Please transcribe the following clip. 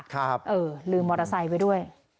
เออลืมมอเตอร์ไซค์ไว้ด้วย